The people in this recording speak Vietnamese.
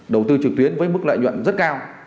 đầu tư trực tuyến với mức lợi nhuận rất cao